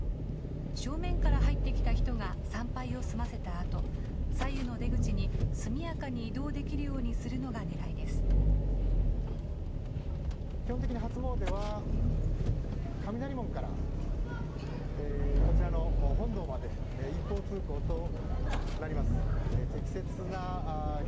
正面から入ってきた人が参拝を済ませたあと、左右の出口に速やかに移動できるようにするのがねらいです。